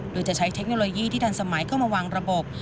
โดยจะใช้เทคโนโลยีที่ทันสมัยเข้ามาวางระบบ